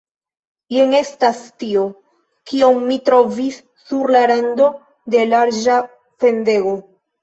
Jen estas tio, kion ni trovis sur la rando de larĝa fendego.